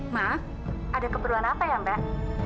maaf ada keperluan apa ya mbak